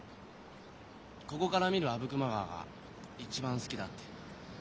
「ここから見る阿武隈川が一番好きだ」って。